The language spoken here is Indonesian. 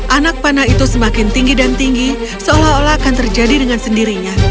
anak panah itu semakin tinggi dan tinggi seolah olah akan terjadi dengan sendirinya